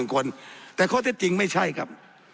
คนแต่เขาจะจริงไม่ใช่กับ